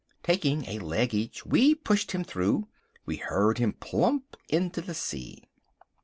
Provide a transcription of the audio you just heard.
Taking a leg each we pushed him through. We heard him plump into the sea.